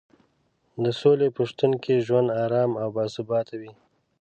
د سولې په شتون کې ژوند ارام او باثباته وي.